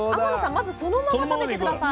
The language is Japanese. まずそのまま食べて下さい。